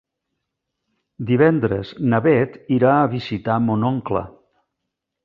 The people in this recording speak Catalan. Divendres na Bet irà a visitar mon oncle.